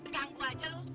ganggu aja lu